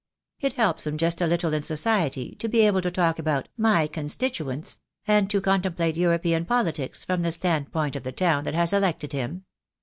It helps him just a little in society to be able to talk about 'my constituents,' and to contemplate European politics from the stand point of the town that has elected him.